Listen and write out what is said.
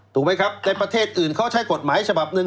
ถูกไหมครับในประเทศอื่นเขาใช้กฎหมายฉบับหนึ่ง